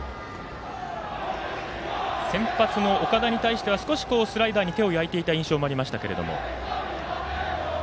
先発の岡田に対しては少しスライダーに手を焼いていた印象がありましたけども。